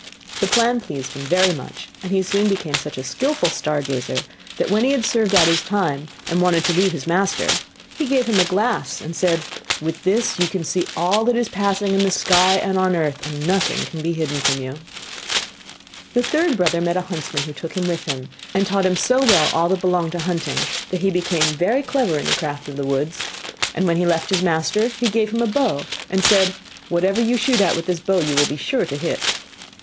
The plan pleased him much, and he soon became such a skilful star gazer, that when he had served out his time, and wanted to leave his master, he gave him a glass, and said, 'With this you can see all that is passing in the sky and on earth, and nothing can be hidden from you.' The third brother met a huntsman, who took him with him, and taught him so well all that belonged to hunting, that he became very clever in the craft of the woods; and when he left his master he gave him a bow, and said, 'Whatever you shoot at with this bow you will be sure to hit.